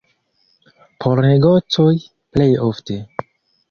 Por negocoj plej ofte.